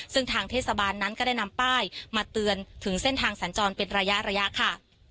ซึ่งทางเทศบาลนั้นก็ได้นำป้ายมาเตือนถึงเส้นทางสัญจรเป็นระยะค่ะ